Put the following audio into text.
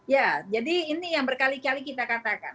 ya jadi ini yang berkali kali kita katakan